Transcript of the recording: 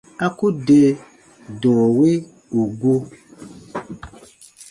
A ku de dɔ̃ɔ wi ù gu.